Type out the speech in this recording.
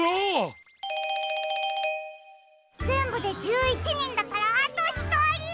ぜんぶで１１にんだからあとひとり。